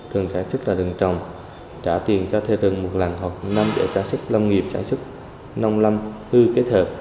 rừng sản xuất là rừng trồng trả tiền cho thuê rừng một lần hoặc năm để sản xuất lâm nghiệp sản xuất nông lâm hư kế thợ